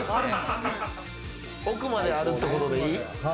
奥まであるってことでいい？